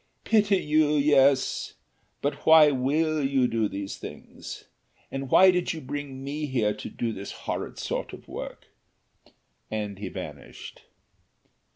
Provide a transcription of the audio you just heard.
"Pity you, yes! But why will you do these things? and why did you bring me here to do this horrid sort of work?" and he vanished.